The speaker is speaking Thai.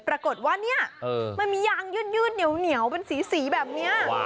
ปรากฏว่าเนี่ยมันมียางยืดเหนียวเป็นสีแบบนี้